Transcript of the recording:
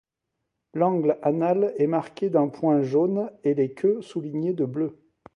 L'angle anal est marqué d'un point jaune et les queues soulignées de bleu.